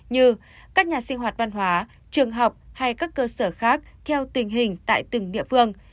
như các nhà sinh hoạt văn hóa trường học hay các cơ sở khác theo tình hình tại từng địa phương